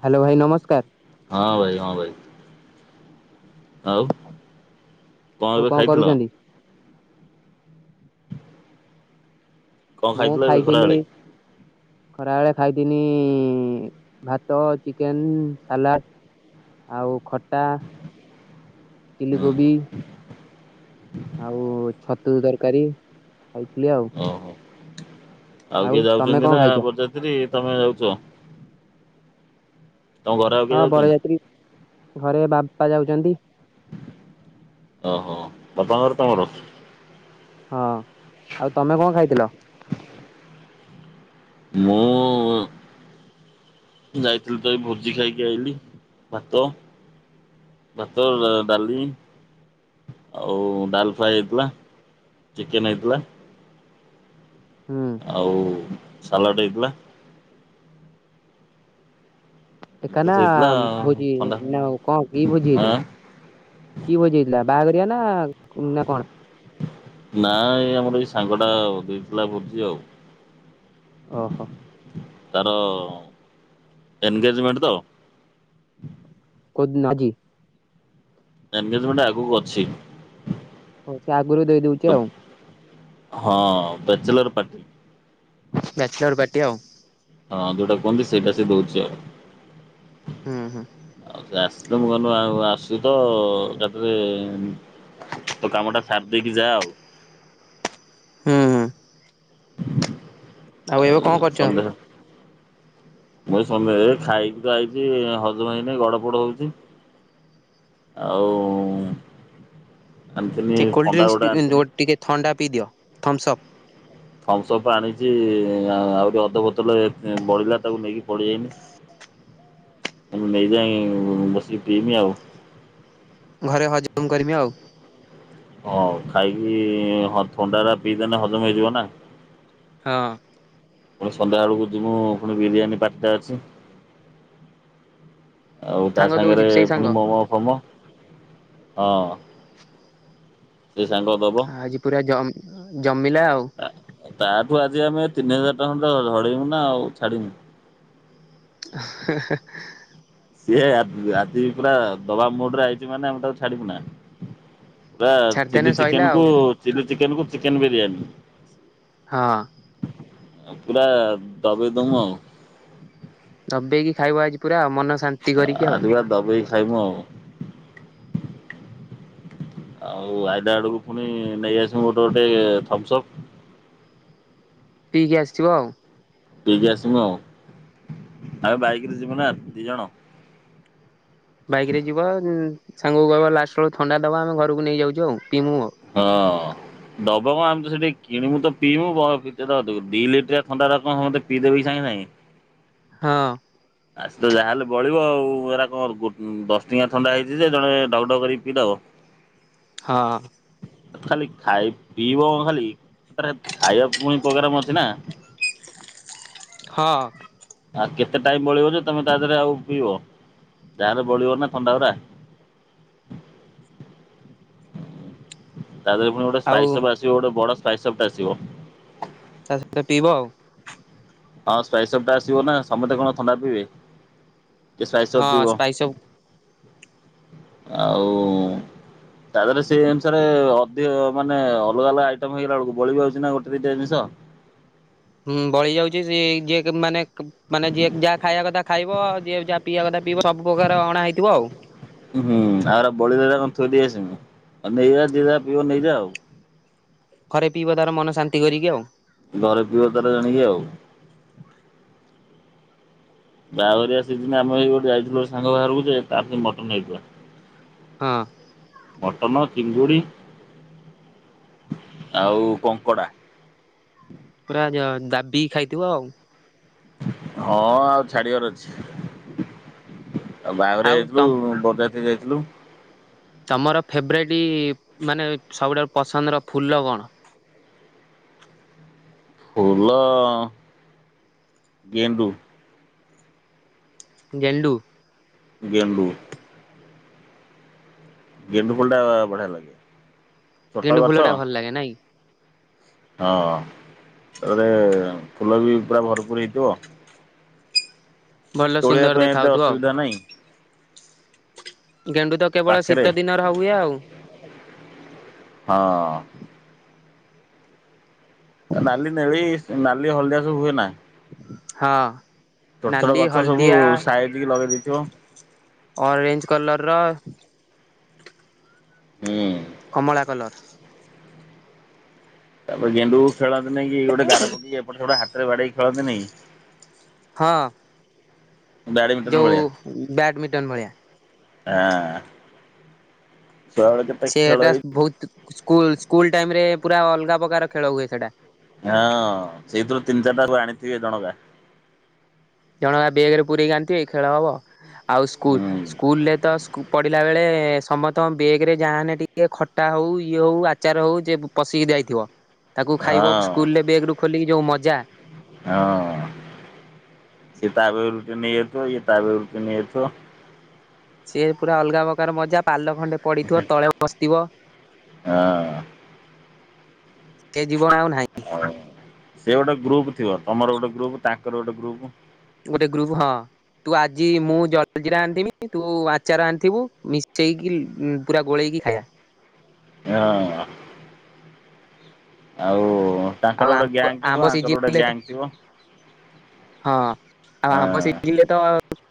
Hello ଭାଇ, ନମସ୍କାର। ହଁ ଭାଇ, ହଁ ଭାଇ। ଆଉ, କଁ ଆଉ ଏବେ କଣ ଖାଇଥିଲ? କରୁଛନ୍ତି? କଣ ମୁଁ ଖାଇଥିଲ ଏବେ ଖାଇଥିଲି ଖରାବେଳେ? ଖରାବେେଳେ ଖାଇଥିଲିଁ ଭାତ, ଚିକେନ, ସାଲାଟ ଆଉ ଖଟା, ଚିଲି ହୁଁ କୋବି ଆଉ ଛତୁ ତରକାରୀ ଖାଇଥିଲି ଆଉ। ଓହୋ ଆଉ କିଏ ତମେ ଯାଉଛନ୍ତି କଣ ନା, ଖାଇଛ? ବରଯାତ୍ରୀ ତମେ ଯାଉଛ? ତମ ଘରେ ଆଉ କିଏ ହଁ ଯାଉଛନ୍ତି? ବରଯାତ୍ରୀ ଘରେ ବାମ୍ପା ଯାଉଛନ୍ତି। ଓହୋଃ, ବାପାଙ୍କର, ତମର? ହଁ, ଆଉ ତମେ କଁ ଖାଇଥିଲ? ମୁଁ ଯାଇଥିଲି ତ ଏଇ ଭୋଜି ଖାଇକି ଆଇଲିି। ଭାତ ଭାତ, ଡାଲି ଆଉ ଡାଲ୍ ଫ୍ରାଏ ହେଇଥିଲା। ଚିକେନ୍ ହେଇଥିଲା। [inaudible] ହୁଁ। ଆଉ ସାଲାଟ୍ ହେଇଥିଲା। ଏକା ଏତେ ନା ହେଇଥିଲା ଭୋଜି ଥଣ୍ଡା ନା ଆଉ କଣ କି ଭୋଜି ଆଁ ହେଇଥିଲା? କି ଭୋଜି ହେଇଥିଲା? ବାହାଘରିଆ ନା, ନା କଣ? ନାଇଁ ଏଇ ଆମର ଏଇ ସାଙ୍ଗଟା ଆଉ ଦେଇ ଥିଲା ଭୋଜି ଆଉ। ଓହୋଃ। ତାର ଏନଗେଜମେଣ୍ଟ୍ ତ କଉ ଦିନ ଆଜି? ଏନଗେଜମେଣ୍ଟ୍ ଆଗକୁ ଅଛି। ହଉ ସେ ଆଗରୁ ଦେଇଦଉଛି ତ ଆଉ। ହଁ ବ୍ୟାଚଲର ପାଟି। ବ୍ୟାଚଲର୍ ପାର୍ଟି ଆଉ। ହଁ ଯୋଉଟା କୁହନ୍ତି ସେଇଟା ସେ ଦଉଛି ଆଉ। ହୁଁ ହୁଁ। ଆଉ ସେ ଆସିଲେ ମୁଁ କହିଲି ଆଉ ଆସିଚୁ ତ ଏକାଥରେ ତୋ କାମଟା ସାରି ଦେଇକି ଯା ଆଉ। ହୁଁ ହୁଁ। ଏବେ ଆଉ କଣ କରୁଛ? ସନ୍ଦେହ। ମୁ ଏ ସମୟ ଖାଇକି ତ ଆଇଛି ହଜମ୍ ହେଇନେଇ ଗଡପଡ ହଉଛି। ଆଉ ଆଣିଥିନି ଟିକେ କୋଲ୍ଡଡ୍ରିଙ୍କସ୍ ପି ଥଣ୍ଡାଗୁଡା ଯୋଉ ଆଣିଥିନି। ଟିକେ ଥଣ୍ଡା ପିଇଦିଅ ଥମ୍ସସପ୍। ଫମ୍ସପ୍ ପା ଆଣିଛି ଆ ଆହୁରି ଅଧ ବୋତଲେ ବଳିଲା ତାକୁ ନେଇକି ପଳିଆଇନି। ମୁ ନେଇଯାଏ ବସିକି ପିମି ଆଉ। ଘରେ ହଜମ୍ କରିମି ଆଉ। ହଁ ଖାଇକି ହଁ ଥଣ୍ଡାରା ପିଇଦେଲେ ହଜମ୍ ହେଇଯିବ ନା। ହଁ। ପୁଣି ସନ୍ଧ୍ୟାବେଳକୁ ଯିବୁ ପୁଣି ବିରିୟାନୀ ପାଟିଟା ଅଛି। ଆଉ ତା ସାଙ୍ଗ ଦଉଛି ସାଙ୍ଗରେ ସେଇ ସାଙ୍ଗ ପୁଣି ମୋମୋ ଫୋମୋ ହଁ। ସେ ସାଙ୍ଗ ଦବ। ଆଜି ପୁରା ଜମି ଜମିଲା ଆଉ? ତାଠୁ ଆଜି ଆମେ ତିନି ହଜାର୍ ଟଙ୍କା ଖଣ୍ଡେ ଝଡେଇମୁ ନା ଆଉ ଛାଡିବୁ। [unintelligible] ସିଏ ଆ ଆଜି ପୁରା ଦବା ମୁଡ୍ ରେ ଆଇଛି ମାନେ ଆମେ ତାକୁ ଛାଡିବୁ ନା। ପୁରା ଛାଡିଦେନେ ଚିଲି ସଇଲା ଆଉ ଚିକେନ୍କୁ ଚିଲି ଚିକେନ୍କୁ ଚିକେନ୍ ବିରିୟାନୀ। ହଁ। ପୁରା ଦବେଇ ଦମୁ ଆଉ। ଦବେଇକି ଖାଇବ ଆଜି ପୁରା ଆଉ ମନ ଶାନ୍ତ ଆଜିିପୁରା ଦବେଇ ଖାଇମୁ ଆଉ। ଆଉ ଆଇଲା ବେଳକୁ ପୁଣି ନେଇଆସିବୁ ଗୋଟେ ଗୋଟେ ଥମ୍ସ ସପ୍। ପିଇକି ଆସିଯିବ ଆଉ। ପିଇକି ଆସିବୁ ଆଉ ଆଉ ବାଇକରେ ଯିବୁ ନା ଦି ଜଣ। ବାଇକ ରେ ଯିବ ସାଙ୍ଗକୁ କହିବା ଲାଷ୍ଟ ବେଳକୁ ଥଣ୍ଡା ଦବା ଆମେ ଘରକୁ ନେଇ ଯାଉଛୁ ଆଉ ପିଇମୁ ଆଉ। ହଁ। ଦବ କଣ ଆମେ ତ ସେଠି କିଣିବୁ ତ ପିଇବୁ ବ ଦି ଲିଟରିଆ ଥଣ୍ଡାଟା କଣ ପିଇ ଦେବେକି ସାଙ୍ଗେ ସାଙ୍ଗେ। ହଁ। ଆସ ତ ଯାହାହେଲେ ବଳିବ ଆଉ ଏରା କଣ ଗୋ ଦଶ ଟଙ୍କିଆ ଥଣ୍ଡା ହେଇଛି ଯେ ଜଣେ ଡକ ଢଗ କରିକି ପିଇଦବ। [inaudible] ହଁ। ଖାଲି ଖାଇ ପିଇବ କଣ ଖାଲି ଆରେ ଖାଇବାକୁ ପୁଣି ପ୍ରୋଗ୍ରାମ ଅଛି ନା। ହଁ। ଆଉ କେତେ ଟାଇମ ବଳିବ ଯେ ତମେ ତା ଦେହରେ ଆଉ ପିଇବ ଯାରେ ବଳିବ ନା ଥଣ୍ଡା ଗୁରା। ତା ଦେହରେ ପୁଣି ଗୋଟ ଆଉ ସ୍ପାଇସ୍ ସବ୍ ଆସିବ ଗୋଟେ ବଡ ସ୍ପାଇ ସବ୍ ଆସିବ। ତା ସହିତ ପିଇବ ଆଉ। ହଁ ସ୍ପାଇସ୍ ସବ୍ ଟା ଆସିବ ନା ସମସ୍ତେ କଣ ଥଣ୍ଡା ପିଇବେ। କିଏ ସ୍ପାଇ ସବ୍ ହଁ ପିବ ସ୍ପାଇସ ଅଫ୍ ଆଉ ତା ଦେହରେ ସେଇ ଅନୁସାରେ ଅଧିକ ମାନେ ଅଲଗା ଅଲଗା ଆଇଟମ ହେଇଗଲା ବେଳକୁ ବଳିିବା ଯାଉଛି ନା ଗୋଟେ ଦିଟା ଜିନିଷ। ହୁଁ ବଳି ଯାଉଚି ଗିଏ କେ ମାନେ ମାନେ ଯିଏକ୍ ଯାହା ଖାଇବା କଥା ଖାଇବ ଯିଏ ଯାହା ପିଇବା କଥା ପିଇବ ସବୁ ପ୍ରକାର ଅଣା ହେଇଥିବ ଆଉ। ହୁଁ ଆଉ ବଳିଲାରା କଣ ଥୋଇ ଦେଇ ଆସିମୁ ଆଉ ନେଇଯା ଯିଏ ଯା ପିଇବା ନେଇଯା ଆଉ। ଖରେ ପିଇବ ତାର ମନ ଶାନ୍ତି କରିକି ଆଉ। ଘରେ ପିଇବ ତାର ଜାଣିକି ଆଉ। ବାଘରିଆ ସିଜିନି ଆମେଇ ଗୋଟେ ଯାଇଥିଲୁ ଗୋଟେ ସାଙ୍ଗ ବାହାରକୁ ଯେ ତା ପାଇଁ ମଟନ ହେଇଥିବ। ହଁ। ମଟନ ଚିଙ୍ଗୁଡ଼ି ଆଉ କଙ୍କଡ଼ା। ପୁର ଯ ଦାବିକି ଖାଇଥିବ ଆଉ। ହଁ ଆଉ ଛାଡିବାର ଅଛି ଆଉ ବାହାଘରେ ଆଉ ଯାଇଥିଲୁ ବ ତ୍ରୀ ଯାଇଥିଲୁ। ତମର ଫେବରାଇଟ୍ ମାନେ ସବୁଠାରୁ ପସନ୍ଦର ଫୁଲ କଣ? ଫୁଲ ଗେଣ୍ଡୁ। ଗେଣ୍ଡୁ। ଗେଣ୍ଡୁ। ଗେଣ୍ଡୁ ମଣ୍ଡା ବଢ଼ିଆ ଲାଗେ। ଛୋଟ ଗେଣ୍ଡୁ ଗଛ ଫଲଟା ଭଲ ଲାଗେ ନାଇଁ। ହଁ ତାପରେ ଫୁଲ ବି ପୁରା ଭରପୁର ହେଇଥିବ ଭଲ ତୋଳିବା ସୁନ୍ଦର ପାଇଁ ଦେଖା ଏତେ ହାଉଥିବ ଆଉ ଅସୁବିଧା ନାହିଁ। ଗେଣ୍ଡୁ ତ କେବଳ ପାଖରେ ଶୀତ ଦିନର ହୁଏ ଆଉ। ହଁ। ନାଲି ନେଳି ନାଲି ହଳଦିଆ ସବୁ ହୁଏ ନା। ହଁ। ଛୋଟ ଛୋଟ ନାଲି ଗଛ ସବୁ ହଳଦିଆ ସାଇଜିକ ଲଗେଇ ଦେଇଥିବ। ଅରେଞ୍ଜ କଲର ର ହୁଁ କମଳା କଲର୍। ତାପରେ ଗେଣ୍ଡୁ ଖେଳନ୍ତିନେଇ କି ଗୋଟେ ଗାର ପକେଇକି ଏପଟ ସେପଟେ ହାତରେ ବାଡେଇକି ଖେଳନ୍ତିନାଇଁ। ହଁ। ଯୋଉ ବ୍ୟାଡମିଟନ ଭଳିଆ। ଆଁ ଛୁଆବେଳେ କେତେ ଖେଳ ସେଟା ହେଇଚି। ବହୁତ। ସ୍କୁଲ ସ୍କୁଲ ଟାଇମ ରେ ପୁରା ଅଲଗା ପ୍ରକାର ଖେଳ ହୁଏ ସେଇଟା। ହଁ ସେଇଥିରୁ ତିନି ଚାରିଟାକୁ ଆଣିଥିବେ ଜଣକା। ଜଣ ବେଗରେ ପୁରରୋଇକି ଆଣିଥିବେ ଖେଳ ହବ ଆଉ ସ୍କୁଲ୍ ହୁଁ ସ୍କୁଲରେ ତ- - ପଡ଼ିଲା ବେଳେ ସମସ୍ତଙ୍କ ବେଗେ ରେ ଯାହାହେନେ ଟିକେ ଖଟା ହେଉ ଇଏ ହେଉ ଆଚାର ହେଉ ଯେ- - ପଶିକି ଯାଇଥିବ। ତାକୁ ଖାଇବ ହଁ ସ୍କୁଲେ ବେଗେରୁ ଖୋଲିକି ଯେଉଁ ମଜା ହଁ ଏ ତାବେ ରୁଟିେ ନେଇ ଏଥ ଏ ତାବେ ରୁଟି ନେଇ ଯାଉଥିବ। ସିଏ ପୁରା ଅଲଗା ପ୍ରକାର ମଜା ପାଲ ଖଣ୍ଡେ ପଡିଥିବ ତଳେ ବସିଥିବ ହଁ। ସେ ଜୀବନ ଆଉ ନାହିଁ। ସେ ଗୋଟେ ଗ୍ରୁପ ଥିବ ତମର ଗୋଟେ ଗ୍ରୁପ ତାଙ୍କର ଗୋଟେ ଗ୍ରୁପ। ଗୋଟେ ଗ୍ରୁପ, ହଁ। ତୁ ଆଜି ମୁଁ ଜଲଜିରା ଆଣିଥିମି ତୁ ଆଚାର ଆଣିଥିବୁ ମିଶେଇକି ହୁଁ ପୁରା ଗୋଳେଇକି ଖାଇବା। ହଁ ଆଉ ଆଉ ତାଙ୍କର ଗୋଟେ ଆମ୍ବ ଗ୍ୟାଙ୍ଗ ଥିବ, ଆମ୍ବ ୟାଙ୍କର ଗୋଟେ ସିଜିନରେ ଗ୍ୟାଙ୍ଗ ଥିବ ହଁ। ଆଉ ଆମ୍ବ ହଁ ସିଜନ୍ ରେ ତ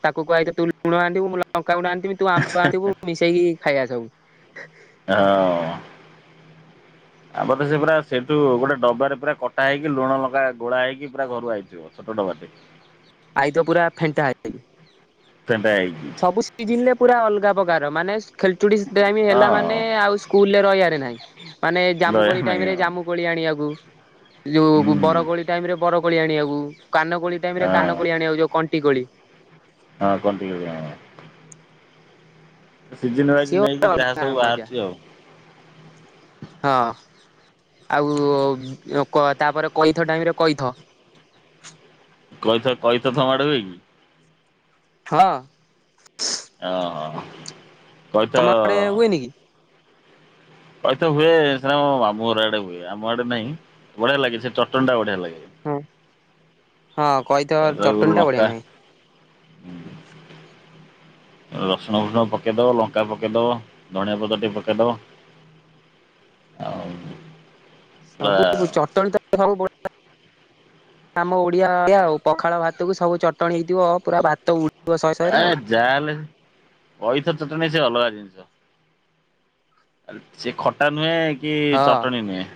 ତାକୁ କୁହାହେଇଥିବ ତୁ ଲୁଣ ଆଣିବୁ ମୁଁ ଲଙ୍କାଗୁଣ୍ଡ ଆଣିଥିବି ତୁ ଆମ୍ୱ ଆନିଥିବୁ ମିଶେଇକି ଖାଇବା ସବୁ। ହଁ ଆମର ତ ସେ ପା ସେଇଠୁ ଗୋଟେ ଡବାରେ ପୁରା କଟା ହେଇକି ଲୁଣ ଲଙ୍କା ଗୋଳା ହେଇକି ପୁରା ଘରୁ ଆଇଥିବ। ଛୋଟଡବାଟେ ଆଇ ତ ପୁରା ଫେଣ୍ଟା ହେଇ ଫେଣ୍ଟା ହେଇ ସବୁ ସିଜିନ୍ ରେ ପୁରା ଅଲଗା ପ୍ରକାର ମାନେ ଖେଳଚୁଡି ଟାଇମ୍ ହେଲା ମାନେ ହଁ ଆଉ ସ୍କୁଲରେ ରହିବାରେ ନାହିଁ ମାନେ ଦୟା ଜାମୁକୋଳି ନାଇଁ ଟାଇମ୍ ରେ ହଁ ଜାମୁକୋଳି ଆଣିବାକୁ ଯୋଉ ହୁଁ ବରକୋଳି ଟାଇମ୍ ରେ ବରକୋଳି ଆଣିବାକୁ କାନକୋଳି ଟାଇମ ରେ ହଁ କାନକୋଳି ଆଣିବାକୁ ଯୋଉ କଣ୍ଟି କୋଳି ହଁ କଣ୍ଟେଇ କୋଳି ଆମର ସିଜିନ୍ ବାଇଜି ସିଏ ନେଇକି ଗୋଟେ ଯାହା ଅଲଗା ସବୁ ମଜା ବାହାରୁଛି ଆଉ। ହଁ ଆଉ କ ତାପରେ କଇଥ ଟାଇମ୍ ରେ କଇଥ କଇଥ କଇଥ ତମ ଆଡ଼େ ହୁଏ କି? ହଁ। ଓ ହୋ ତମ ଆଡେ ହୁଏନି କି? କଇଥ ହୁଏ ସେନା ମାମୁ ଘର ଆଡେ ହୁଏ ଆମ ଆଡେ ନାହିଁ ବଢିଆ ଲାଗେ ସେ ଚଟଣୀଟା ବଢିଆ ଲାଗେ। କି? ହଁ କଇଥ କଇଥ [unintelligible] ଲଙ୍କା ରସୁଣ ଫୁଷୁଣ ପକେଇଦବ, ଲଙ୍କା ପକେଇଦବ, ଧଣିଆ ପତ୍ରଟିକେ ପକେଇଦବ, ଆଉ ପୁରା ସବୁ ଚଟଣୀ ତ [unintelligible] ଭଲ ଆମ ଓଡ଼ିଆଆ ଓଡ଼ିଆ ଆଉ ପଖାଳ ଭାତ କୁ ସବୁ ଚଟଣି ହେଇଥିବପୁରା ଭାତ ଉ ଏ ଯାହାହେଲେ କଇଥ ଚଟଣି ସେ ଅଲଗା ଜିନିଷ ସେ ଖଟା ନୁହେଁ କି, ହଁ ଚଟଣି ନୁହେଁ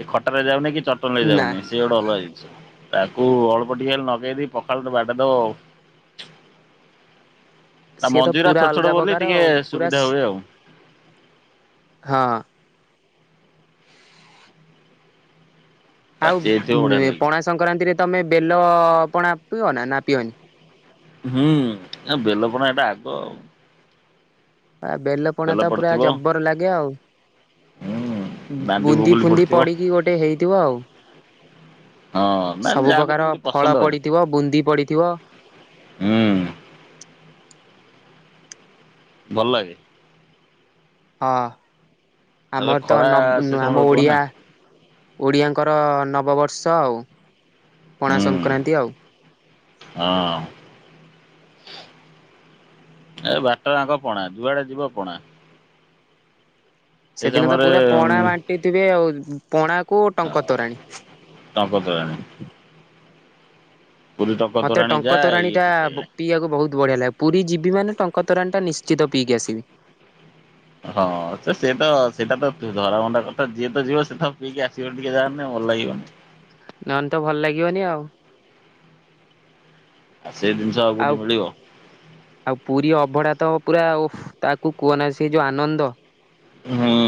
ସେ ଖଟାରେ ଯାଉନି କି ଚଟଣୀରେ ନା ଯାଉନି ସେ ଗୋଟେ ଅଲଗା ଜିନିଷ, ତାକୁ ଅଳ୍ପ ଟିକେ ହେଲେ ଲଗେଇଦି ପଖାଳ ଟେ ବାଡ଼େଇ ଦବ ଆଉ ତା ସିଏ ତ ମଞ୍ଜିରା ପୁରା ଛୋଟ ଛୋଟ ଅଲଗା ବୋଲି ପ୍ରକାର ଟିକେ ଆଉ ପୁରା ସୁବିଧା ହୁଏ ଆଉ। ହଁ। ଆଉ ପାଚି ଯାଇଥିବ ବଢିଆ ଲାଗିବ। ପଣା ସଂକ୍ରାନ୍ତିରେ ତମେ ବେଲ ପଣା ପିଅ ନା ନା ପିଅନି? ହୁଁ ଆ ବେଲ ପଣା ଟା ଆଗ। ଆ ବେଲ ପଣା ତ ପୁରା ଜବର ଲାଗେ ଆଉ। ହୁଁ। ଦାଣ୍ଡି ବୁନ୍ଦି ଭୁଗୁଲି ଫୁନ୍ଦି ପଡିଥିବ ପଡିକି ଗୋଟେ ହେଇଥିବ ଆଉ। ହଁ ନା ସବୁ ଯାହାକୁ ପ୍ରକାରର ଯେମିତି ଫଳ ପସନ୍ଦ ଆଉ ପଡିଥିବ, ବୁନ୍ଦି ପଡିଥିବ, ହୁଁ। ଭଲ ଲାଗେ। ହଁ ତାପରେ ଆମର ତ ଖରା ସେ ନ ସମୟରେ ଆମ ହଉଥିବ ନା ଓଡିଆ ଓଡ଼ିଆଙ୍କର ନବବର୍ଷ ଆଉ ପଣା ହୁଁ ସଂକ୍ରାନ୍ତି ଆଉ। ହଁ। ଏ ବାଟ ଜାଙ୍କ ପଣା ଯୁଆଡେ ଯିବ ପଣା। ସେ ସମୟରେ ପିଇଥିବେ ଆଉ ପଣାକୁ ଟଙ୍କ ତୋରାଣି। ଟଙ୍କ ତୋରାଣି। ଟଙ୍କ ମତେ ତୋରାଣୀ ଯା ଟଙ୍କ ତୋରାଣି ଟା ଏଇଠି ପ ସେଇଆ। ପିଇବାକୁ ବହୁତ ବଢିଆ ଲାଗେ ପୁରୀ ଯିବି ମାନେ ଟଙ୍କ ତରାଣି ଟା ନିଶ୍ଚିତ ପିକି ଆସିବି। ହଁ ସେ ସେତ ସେଇଟା ତ ଧରାବନ୍ଧା କଥା ଯିଏ ତ ଯିବ ସେଏତ ପିଇକି ଆସିବ ଟିକେ ନହଲେ ଭଲ ଲାଗିବନି। ନହେଲେ ତ ଭଲ ଲାଗିବନି ଆଉ। ଆଉ ସେଇ ଜିନିଷ ଆଉ କେଉଁଠି ମିଳିବ? ଆଉ ପୁରୀ ଅଭଢା ତ ପୁରା ଓଃ ତାକୁ କୁହନା ସେ ଯୋଉ ଆନନ୍ଦ। ହଁ।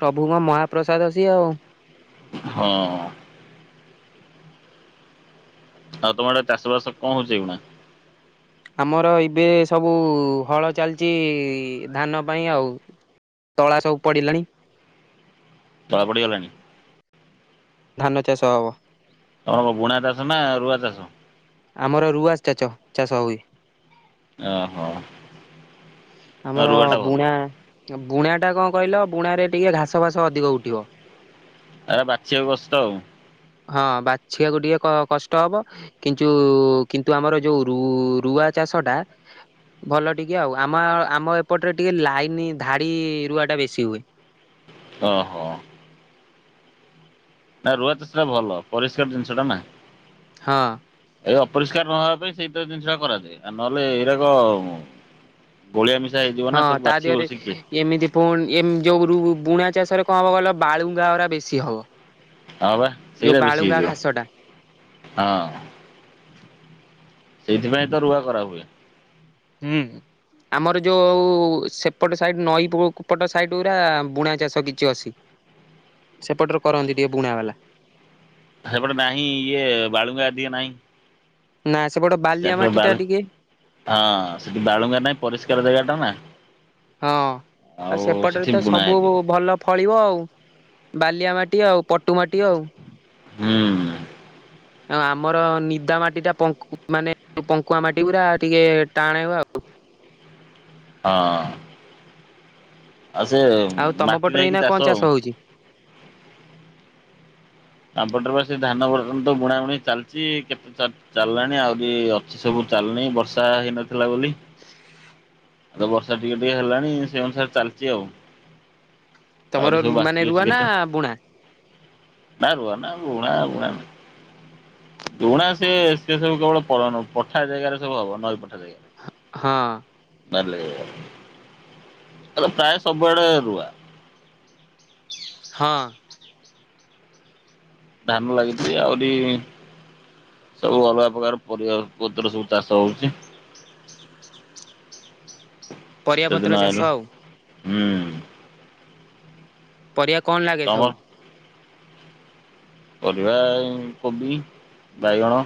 ପ୍ରଭୁଙ୍କ ମହାପ୍ରସାଦ ସିଏ ଆଉ। ହଁ। ଆଉ ତମଆଡେ ଚାଷ ବାସ କଣ ହଉଚି ଏବେ? ଆମର ଏବେ ସବୁ ହଳ ଚାଲିଛି ଧାନ ପାଇଁ ଆଉ। ତଳା ସବୁ ପଡିଲାଣି। ତଳେ ପଡ଼ିଗଲାଣି। ଧାନ ଚାଷ ହବ। ତମଣ ବୁଣା ଚାଷ ନା ରୁଆ ଚାଷ? ଆମର ରୁଆ ଚାଚ ଚାଷ ହୁଏ। ଓହୋ। ଆମର ରୁଆ ଟା ଭଲ ବୁଣା ବୁଣା ଟା କଣ କହିଲ ବୁଣ ରେ ଟିକେ ଘାସ ଫାସ ଅଧିକ ଉଠିବ। ଆରେ ବାଛିବାକୁ କଷ୍ଟ ଆଉ। ହଁ ବାଛିବାକୁ ଟିକେ କ କଷ୍ଟ ହବ। କିନ୍ତୁ କିନ୍ତୁ ଆମର ଯୋଉ ରୁ ରୁଆ ଚାଷ ଟା ଭଲ ଟିକେ ଆଉ ଆମ ଆମ ଏପଟରେ ଟିକେ ଲାଇନ ଧାଡି ରୁଆଟା ବେଶୀ ହୁଏ। ଓହୋ। ନା ରୁଆ ଚାଷଟା ଭଲ ପରିଷ୍କାର ଜିନିଷଟା ନା। ହଁ ଏଇ ଅପରିଷ୍କାର ନହବା ପାଇଁ ସେଇତ ଜିନିଷ ଟା କରାଯାଏ। ଆଉ ନହେଲେ ଏଗୁରାକ ଗୋଳିଆ ମିଶା ହେଇଯିବ ନା ହଁ ସବୁ ତା ବାଛିିବ ଦେହରେ ବସିକି। ଏମିତି ପୁଣି ଏମିତି ଯୋଉ ରୁ ବୁଣା ଚାଷରେ କଣ ହବ କହିଲ ବାଳୁଙ୍ଗାଗୁରା ବେଶୀ ହବ। ହଁ ପା ଯୋଉ ସେଇଗୁରା ବେଶୀ ବାଳୁଙ୍ଗା ହେଇଯିବ ଘାସ ଟା ହଁ। ସେଇଥିପାଇଁ ତ ରୁଆ କରାହୁଏ। ହୁଁ। ଆମର ଯୋଉ ସେପଟ ସାଇଡ଼ ନଈପଟ ସାଇଟ ଗୁରା ବୁଣା ଚାଷ କିଛି ଅଛି। [inaudible] ସେପଟରେ କରନ୍ତି ଟିକେ ବୁଣା ବାଲା। ସେପଟେ ନାହିଁ ଇଏ ବାଳୁଙ୍ଗା ଟିକେ ନାହିଁ। ନା ସେପଟ ବାଲିଆ ତାପରେ ମାଟି ବାଳୁ ଟା ଟିକେ ହଁ ସେଠି ବାଳୁଙ୍ଗା ନାଇଁ ପରିଷ୍କାର ଜାଗା ଟା ନା। ହଁ ଆଉ ସେପଟରେ ସେଠି ତ ବୁଣା ସବୁ ହେଇଯିବ ଭଲ ଫଳିବ ଆଉ, ବାଲିଆ ମାଟି, ଆଉ ପଟୁ ମାଟି ଆଉ। ହୁଁ। ଆଉ ଆମର ନିଦା ମାଟି ଟା ପଙ୍କୁ ମାନେ ପଙ୍କୁଆ ମାଟି ଗୁରା ଟିକେ ଟାଣ ହବ ଆଉ। ହଁ। ଆଉ ସେ ଆଉ ତମ ମାଟି ପଟରେ ନେଇକି ଏଇନା କଣ ଚାଷ ଆଉ। ହଉଛି? ତାପଟରେ ବା ସେ ଧାନ ବର୍ତନ ତ ବୁଣାବୁଣି ଚାଲିଛି କେତେ ଚାଲିଲାଣି ଆଉରି ଅଛି ସବୁ ଚଳିନି ବର୍ଷା ହେଇନଥିଲା ବୋଲି। [inaudible] ତ ବର୍ଷା ଟିକେ ଟିକେ ହେଲାଣି ସେଇ ଅନୁସାରେ ଚାଲିଛି ଆଉ। ତମର ଆହୁରି ସବୁ ମାନେ ବାକି ରୁଆ ଅଛି ନା କେତେ। ବୁଣା ନା ରୁଆନା ବୁଣା ବୁଣା ନୁହେଁ। ବୁଣା ସେ ସେ ସବୁ କେବଳ ପଠା ଜାଗାରେ ସବୁ ହବ ନଈୀ ପଠା ଜାଗାରେ। ହ - ହଁ। ବାଲ୍ୟ ବିବାହ ଆଉ ତ ପ୍ରାୟ ସବୁଆଡେ ରୁଆ। ହଁ। ଧାନ ଲାଗିଛି ଆହୁରି ସବୁ ଅଲଗା ପ୍ରକାର ପରିବା ପତର ସବୁ ଚାଷ ହଉଛି। ପରିବା ଶୀତ ଦିନ ପତ୍ର ଚାଷ ଆଉ ଆଇଲାଣି ହୁଁ। ପରିବା କଣ ଲାଗେ ତମର ସବୁ? ପରିବା ଇମ୍ କୋବି ବାଇଗଣ।